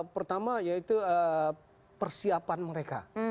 pertama yaitu persiapan mereka